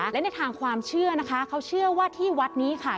และในทางความเชื่อนะคะเขาเชื่อว่าที่วัดนี้ค่ะ